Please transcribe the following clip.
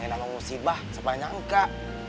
hina ngusibah sepanjangnya kak